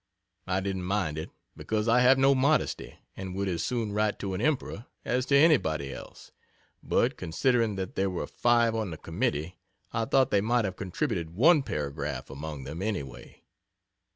I didn't mind it, because I have no modesty and would as soon write to an Emperor as to anybody else but considering that there were 5 on the committee I thought they might have contributed one paragraph among them, anyway.